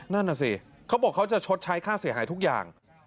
นั่นน่ะสิเขาบอกเขาจะชดใช้ค่าเสียหายทุกอย่าง